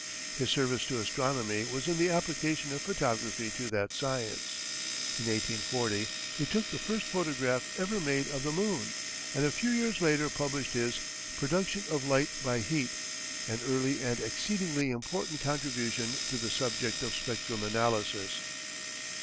His service to astronomy was in the application of photography to that science. In 1840, he took the first photograph ever made of the moon, and a few years later published his "Production of Light by Heat," an early and exceedingly important contribution to the subject of spectrum analysis.